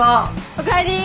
おかえり。